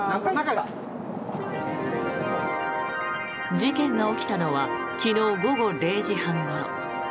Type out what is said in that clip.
事件が起きたのは昨日午後０時半ごろ。